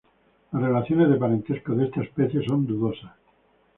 Las relaciones de parentesco de esta especie son dudosas.